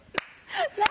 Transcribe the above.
何？